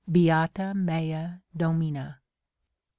Beata mea Domina